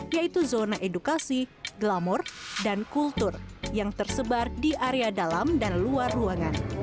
yaitu zona edukasi glamour dan kultur yang tersebar di area dalam dan luar ruangan